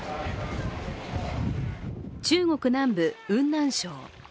中国南部、雲南省。